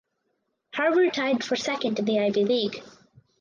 Harvard tied for second in the Ivy League.